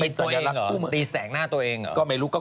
ตีตัวเองเหรอตีแสงหน้าตัวเองเหรอเป็นสัญลักษณ์ผู้มือ